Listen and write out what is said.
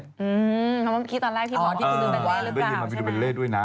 ผมคิดตอนแรกที่บอกว่าหรือเปล่าใช่ไหมอ๋อได้ยินมาว่าไปดูเบนเล่ด้วยนะ